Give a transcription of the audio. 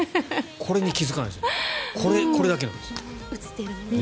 これに気付かないんです。